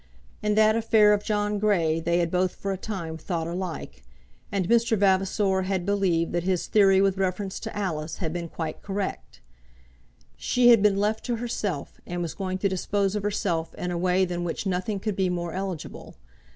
In that affair of John Grey they had both for a time thought alike, and Mr. Vavasor had believed that his theory with reference to Alice had been quite correct. She had been left to herself, and was going to dispose of herself in a way than which nothing could be more eligible.